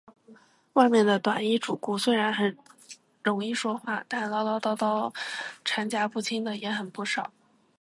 外面的短衣主顾，虽然容易说话，但唠唠叨叨缠夹不清的也很不少。